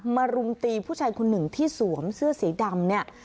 รุมตีผู้ชายคนหนึ่งที่สวมเสื้อสีดำเนี่ย